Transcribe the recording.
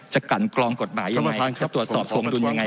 จะกันกลองกฎหมายอย่างไงจะตรวจสอบโทรธุรกิจยังไง